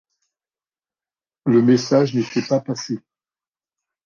Le message n'était pas passé.